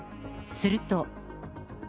すると。